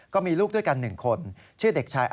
ก็มีลูกด้วยกัน๑คนชื่อเด็กชาย